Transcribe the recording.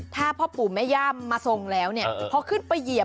ถ้าพ่อปู่แม่ย่ามมาทรงแล้วเนี่ยพอขึ้นไปเหยียบ